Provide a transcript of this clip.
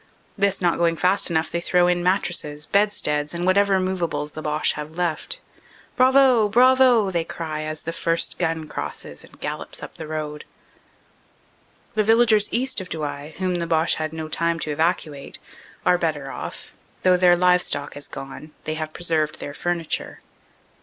This not THE ADVANCE ON DENAIN 339 going fast enough they throw in mattresses, bedsteads and whatever moveables the Boche have left. "Bravo, bravo!" they cry as the first gun crosses and gallops up the road. The villagers east of Douai, whom the Boche had no time to evacuate, are better off; though their livestock has gone, they have preserved their furniture.